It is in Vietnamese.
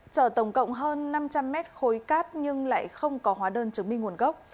chở tổng cộng hơn năm trăm linh mét khối cát nhưng lại không có hóa đơn chứng minh nguồn gốc